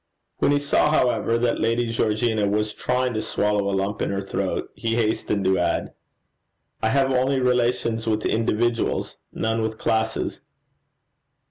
When he saw, however, that Lady Georgina was trying to swallow a lump in her throat, he hastened to add, 'I have only relations with individuals none with classes.'